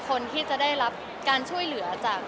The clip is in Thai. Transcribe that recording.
คนที่จะได้รับการช่วยเหลือจาก